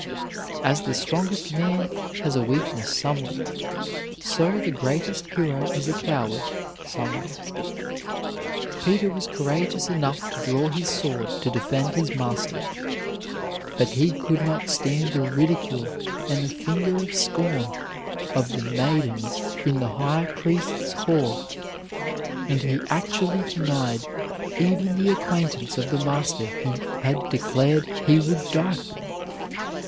As the strongest man has a weakness somewhere, so the greatest hero is a coward somewhere. Peter was courageous enough to draw his sword to defend his Master, but he could not stand the ridicule and the finger of scorn of the maidens in the high priest's hall, and he actually denied even the acquaintance of the Master he had declared he would die for.